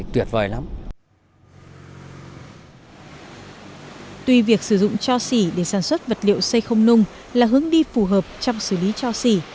tuy việc sử dụng cho xỉ để sản xuất vật liệu xây không nung là hướng đi phù hợp trong xử lý cho xỉ